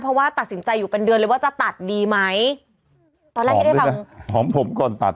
เพราะว่าตัดสินใจอยู่เป็นเดือนเลยว่าจะตัดดีไหมตอนแรกที่ได้ฟังหอมผมก่อนตัด